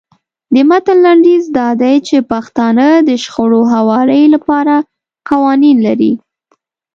د متن لنډیز دا دی چې پښتانه د شخړو هواري لپاره قوانین لري.